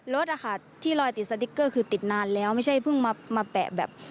รถอะค่ะที่ลอยติดสติ๊กเกอร์คือติดนานแล้วไม่ใช่เพิ่งมาแปะแบบ